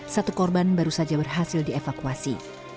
satu korban baru saja berhasil dievakuasi